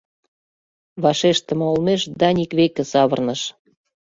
Вашештыме олмеш Даник веке савырныш.